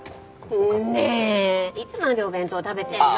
いつまでお弁当食べてるの？